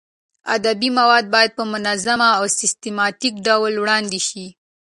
ادبي مواد باید په منظم او سیستماتیک ډول وړاندې شي.